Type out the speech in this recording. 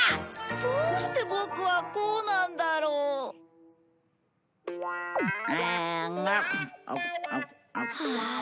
どうしてボクはこうなんだろう。はあ。